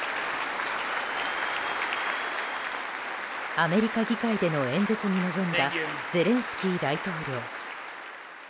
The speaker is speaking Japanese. アメリカ議会での演説に臨んだゼレンスキー大統領。